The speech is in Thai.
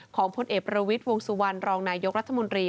พลเอกประวิทย์วงสุวรรณรองนายกรัฐมนตรี